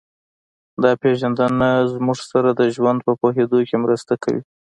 دا پېژندنه موږ سره د ژوند په پوهېدو کې مرسته کوي